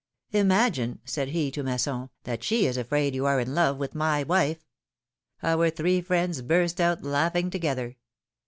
'^Imagine," said he to Masson, that she is afraid you are in love with my wife !" Our three friends burst out laughing together.